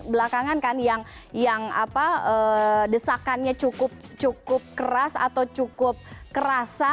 belakangan kan yang desakannya cukup keras atau cukup kerasa